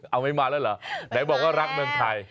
เอาไม่มาแล้วเหรอแต่บอกว่ารักเงินใคร